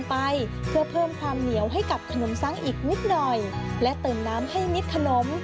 ไปเพื่อเพิ่มความเหนียวให้กับขนมซังอีกนิดหน่อยและเติมน้ำให้มิดขนม